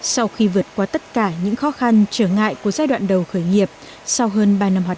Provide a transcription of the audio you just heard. sau khi vượt qua tất cả những khó khăn trở ngại của giai đoạn đầu khởi nghiệp sau hơn ba năm hoạt